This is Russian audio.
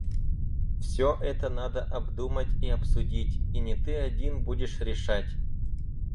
Всё это надо обдумать и обсудить, и не ты один будешь решать.